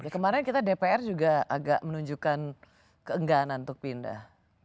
kemarin kita dpr juga agak menunjukkan keengganan untuk pindah